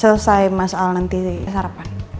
selesai masalah nanti sarapan